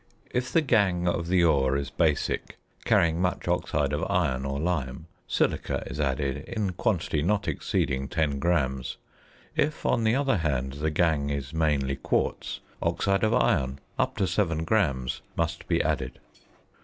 If the gangue of the ore is basic, carrying much oxide of iron or lime, silica is added, in quantity not exceeding 10 grams. If, on the other hand, the gangue is mainly quartz, oxide of iron up to 7 grams must be added.